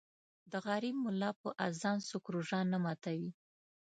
د غریب ملا په اذان څوک روژه نه ماتوي.